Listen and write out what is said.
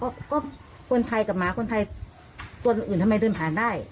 ก็ก็คนไทยกับหมาคนไทยตัวอื่นทำไมเดินผ่านได้